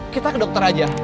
kita ke dokter aja